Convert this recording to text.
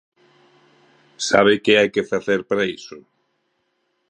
¿Sabe que hai que facer para iso?